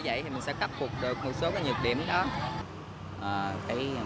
vậy thì mình sẽ cắt phục được một số cái nhược điểm đó cái mỗi cái cái loại trái cây thì nó có